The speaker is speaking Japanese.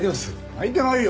泣いてないよ！